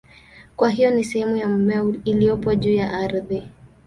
Kwa hiyo ni sehemu ya mmea iliyopo juu ya ardhi.